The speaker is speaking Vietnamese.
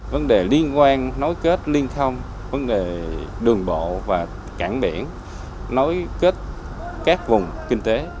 vấn đề liên quan nối kết liên thông vấn đề đường bộ và cảng biển nối kết các vùng kinh tế